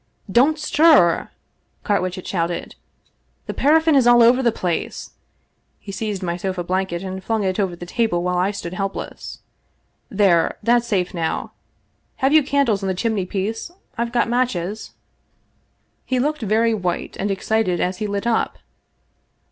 " Don't stir !" Carwitchet shouted. " The paraffin is all over the place 1 " He seized my sofa blanket, and flung it over the table while I stood helpless. " There, that's safe now. Have you candles on the chimney piece? I've got matches." He looked very white and excited as he lit up.